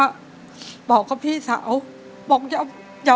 แล้วตอนนี้พี่พากลับไปในสามีออกจากโรงพยาบาลแล้วแล้วตอนนี้จะมาถ่ายรายการ